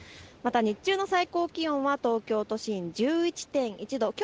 また日中の最高気温は東京都心１１．１度。